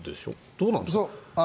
どうなんですか？